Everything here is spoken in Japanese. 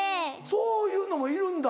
そういうのもいるんだ。